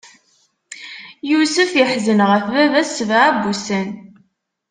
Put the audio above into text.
Yusef iḥzen ɣef baba-s sebɛa n wussan.